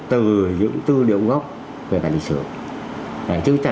từ những tư liệu gốc về bản lịch sử